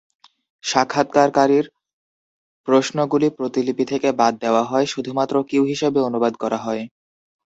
সাক্ষাৎকারকারীর প্রশ্নগুলি প্রতিলিপি থেকে বাদ দেওয়া হয়, শুধুমাত্র কিউ হিসাবে অনুবাদ করা হয়।